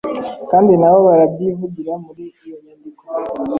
kandi nabo barabyivugira muri iyo nyandiko;